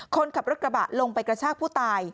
คนขับรถกระบะลงไปกระชากผู้ตาย